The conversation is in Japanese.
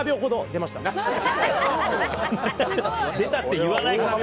出たって言わないから。